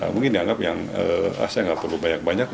mungkin dianggap yang ah saya nggak perlu banyak banyak